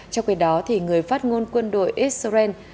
trong khi đó người phát ngôn quân đội israel